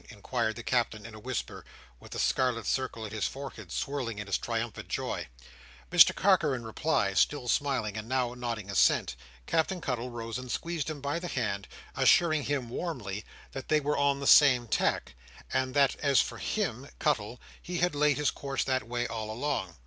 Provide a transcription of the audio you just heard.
inquired the Captain in a whisper, with the scarlet circle on his forehead swelling in his triumphant joy. Mr Carker, in reply, still smiling, and now nodding assent, Captain Cuttle rose and squeezed him by the hand, assuring him, warmly, that they were on the same tack, and that as for him (Cuttle) he had laid his course that way all along.